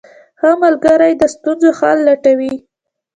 ښه ملګری د ستونزو حل لټوي.